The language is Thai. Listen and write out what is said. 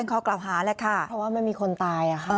ข้อกล่าวหาแหละค่ะเพราะว่าไม่มีคนตาย